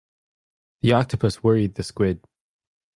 The octopus worried the squid.